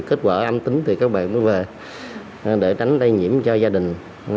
kết quả âm tính thì các bạn mới về để tránh lây nhiễm cho gia đình